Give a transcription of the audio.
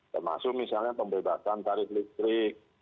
termasuk misalnya pembebasan tarif listrik